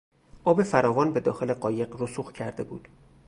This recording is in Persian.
آب فراوان به داخل قایق رسوخ کرده بود.